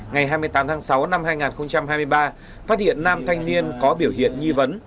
ngày hai mươi tám tháng sáu năm hai nghìn hai mươi ba phát hiện nam thanh niên có biểu hiện nghi vấn